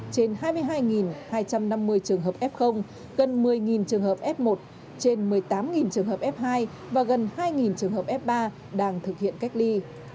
trên hai mươi hai hai trăm năm mươi trường hợp f gần một mươi trường hợp f một trên một mươi tám trường hợp f hai và gần hai trường hợp f ba đang thực hiện cách ly